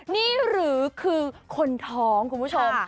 นี่หรือคือคนท้องคุณผู้ชม